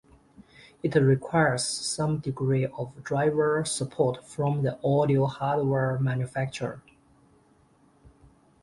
It requires some degree of driver support from the audio hardware manufacturer.